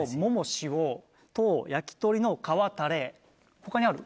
他にある？